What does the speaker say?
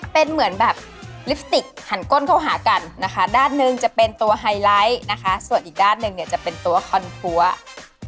เป็นเหมือนแบบลิปสติกหันก้นเข้าหากันนะคะด้านหนึ่งจะเป็นตัวไฮไลท์นะคะส่วนอีกด้านหนึ่งเนี่ยจะเป็นตัวคอนทัวร์